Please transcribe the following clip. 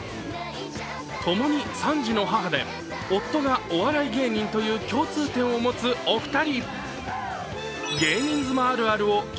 ともに３児の母で夫がお笑い芸人という共通点を持つお二人。